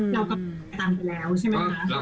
เราก็ตามไปแล้วใช่ไหมคะ